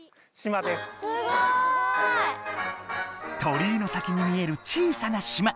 鳥居の先に見える小さな島。